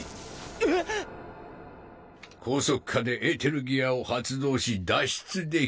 えっ⁉拘束下でエーテルギアを発動し脱出できた。